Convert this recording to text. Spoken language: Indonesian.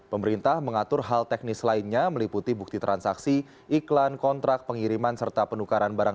pemerintah mengatur hal teknis lainnya meliputi bukti transaksi iklan kontrak pengiriman